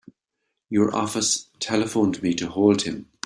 Your office telephoned me to hold him.